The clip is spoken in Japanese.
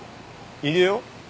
いるよ。